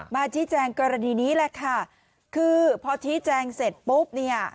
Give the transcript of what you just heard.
ชี้แจงกรณีนี้แหละค่ะคือพอชี้แจงเสร็จปุ๊บเนี่ย